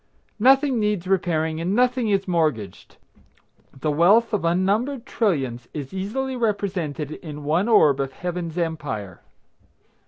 Nothing needs repairing, and nothing is mortgaged. The wealth of unnumbered trillions is easily represented in one orb of Heaven's empire.